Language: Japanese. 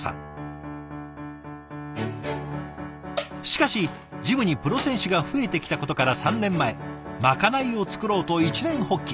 しかしジムにプロ選手が増えてきたことから３年前まかないを作ろうと一念発起。